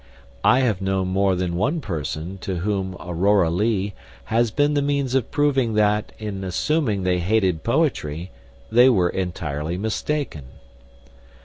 I have known more than one person to whom "Aurora Leigh" has been the means of proving that in assuming they hated poetry they were entirely mistaken.